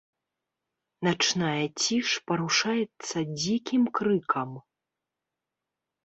Начная ціш парушаецца дзікім крыкам.